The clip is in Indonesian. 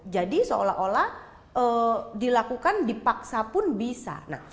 jadi seolah olah dilakukan dipaksa pun bisa